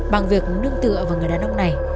bằng việc đứng tựa vào người đàn ông này